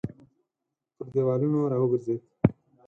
پر دېوالونو راوګرځېد.